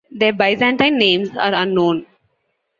Their Byzantine names are unknown.